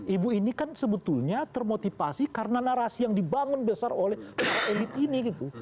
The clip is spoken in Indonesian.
ibu ini kan sebetulnya termotivasi karena narasi yang dibangun besar oleh para elit ini gitu